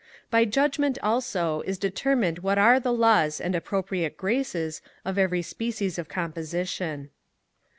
By judgement, also, is determined what are the laws and appropriate graces of every species of composition.